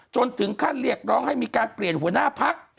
จนถึงขั้นเรียกร้องให้มีการเปลี่ยนหัวหน้าพัก